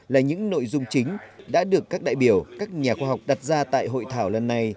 là những nội dung chính đã được các đại biểu các nhà khoa học đặt ra tại hội thảo lần này